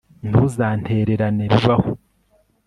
ntuzantererane bibaho